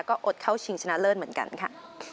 ก็อดเข้าชิงชนะเลิศเหมือนกันค่ะ